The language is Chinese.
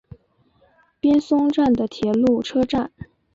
滨松站的铁路车站。